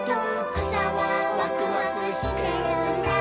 「くさはワクワクしてるんだ」